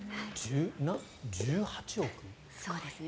１８億？